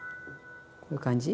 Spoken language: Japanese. こういう感じ。